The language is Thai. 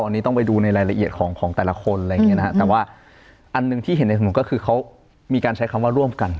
อันนี้ต้องไปดูในรายละเอียดของของแต่ละคนอะไรอย่างเงี้นะฮะแต่ว่าอันหนึ่งที่เห็นในสำนวนก็คือเขามีการใช้คำว่าร่วมกัน